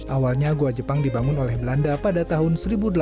awalnya gua jepang dibangun oleh belanda pada tahun seribu delapan ratus